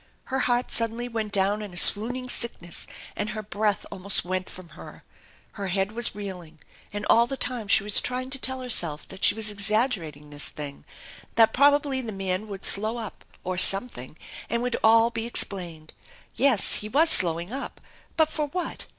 Her heart suddenly went down in a swooning sickness and her breath almost went from her. Her head was reeling, and all the time she was trying to tell her self that she was exaggerating this thing, that probably the man would slow up or something and it would all be ex plained. Yes, he was slowing up, but for what?